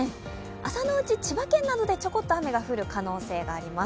朝のうち千葉県などでちょこっと雨が降る可能性があります。